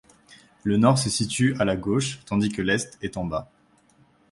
Le nord se situe à la gauche tandis que l'est est en bas.